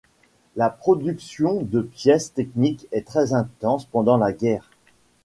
La production de pièces techniques est très intense pendant la guerre.